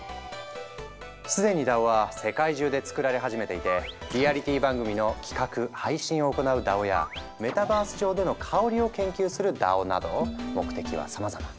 既にＤＡＯは世界中で作られ始めていてリアリティ番組の企画・配信を行うＤＡＯやメタバース上での香りを研究するＤＡＯなど目的はさまざま。